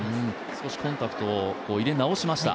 少しコンタクトを入れ直しました。